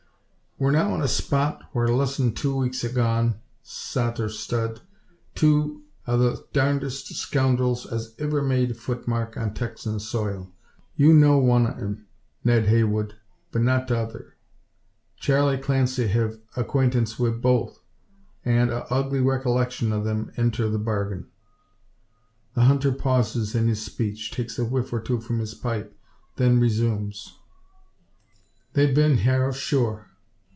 "We're now on a spot, whar less'n two weeks agone, sot or stud, two o' the darndest scoundrels as iver made futmark on Texan soil. You know one o' 'em, Ned Heywood, but not the tother. Charley Clancy hev akwaintance wi' both, an' a ugly reccoleckshun o' them inter the bargain." The hunter pauses in his speech, takes a whiff or two from his pipe, then resumes: "They've been hyar sure.